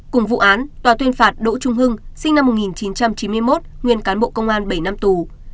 cùng vụ án tòa tuyên phạt đỗ trung hưng sinh năm một nghìn chín trăm chín mươi một nguyên cán bộ công an bảy năm tù